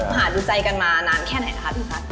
คุณหารู้ใจกันมานานแค่ไหนนะคะพี่ฟัน